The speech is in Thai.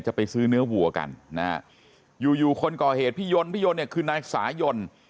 จะไปซื้อเนื้อวัวกันนะฮะอยู่อยู่คนก่อเหตุพี่ยนต์พี่ยนเนี่ยคือนายสายน